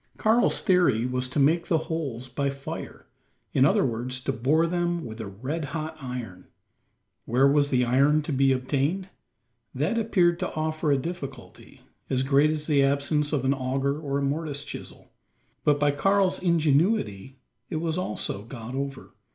Karl's theory was to make the holes by fire in other words, to bore them with a red hot iron. Where was this iron to be obtained? That appeared to offer a difficulty, as great as the absence of an auger or a mortise chisel. But by Karl's ingenuity it was also got over.